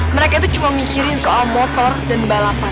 mereka itu cuma mikirin soal motor dan balapan